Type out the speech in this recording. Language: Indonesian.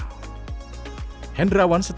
hendrawan seorang karyawan berkata